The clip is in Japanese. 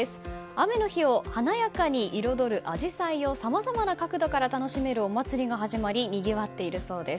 雨の日を華やかに彩るアジサイをさまざまな角度から楽しめるお祭りが始まりにぎわっているそうです。